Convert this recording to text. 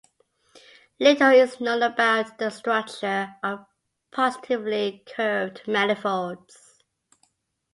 Little is known about the structure of positively curved manifolds.